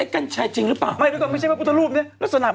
กันชายจริงหรือเปล่า